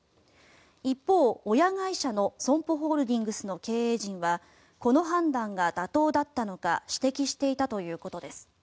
一方、親会社のＳＯＭＰＯホールディングスの経営陣はこの判断が妥当だったのか指摘していたということです。